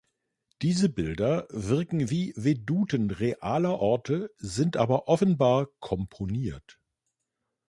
Diese Bilder wirken wie Veduten realer Orte, sind aber offenbar komponiert.